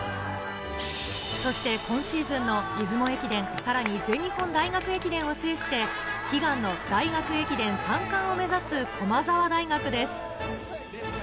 そして今シーズンの出雲駅伝、さらに、全日本大学駅伝を制して、悲願の大学駅伝３冠を目指す駒澤大学です。